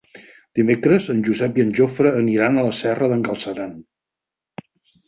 Dimecres en Josep i en Jofre aniran a la Serra d'en Galceran.